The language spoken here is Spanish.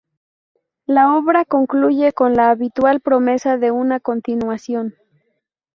La obra concluye con la habitual promesa de una continuación.